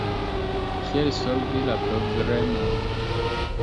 Kiel solvi la problemon?